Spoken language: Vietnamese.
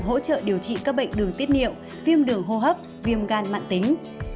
nó được sử dụng hỗ trợ điều trị các bệnh đường tiết niệm viêm đường hô hấp viêm gan mạng tính